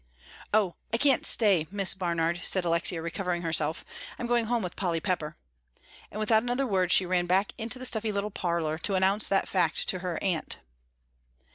"Oh, I can't stay, Miss Barnard," said Alexia, recovering herself; "I'm going home with Polly Pepper," and without another word she ran back into the stuffy little parlor to announce that fact to her Aunt.